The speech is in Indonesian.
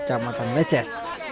kampung camatan leces